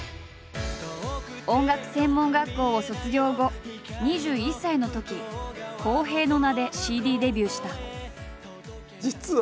音楽専門学校を卒業後２１歳のとき「洸平」の名でＣＤデビューした。